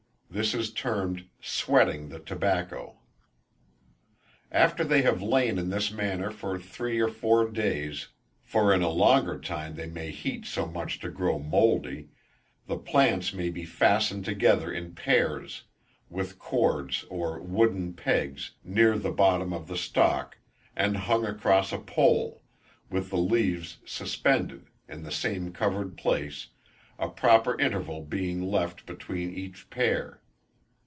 This is termed "sweating the tobacco." After they have lain in this manner for three or four days, for in a longer time they may heat so much as to grow mouldy, the plants may be fastened together in pairs, with cords or wooden pegs, near the bottom of the stalk, and hung across a pole, with the leaves suspended, in the same covered place, a proper interval being left between each pair.